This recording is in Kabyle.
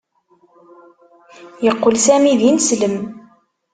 Yeqqel Sami d ineslem.